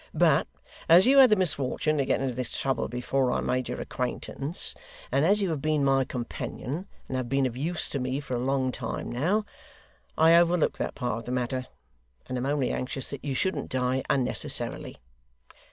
But as you had the misfortune to get into this trouble before I made your acquaintance, and as you have been my companion, and have been of use to me for a long time now, I overlook that part of the matter, and am only anxious that you shouldn't die unnecessarily.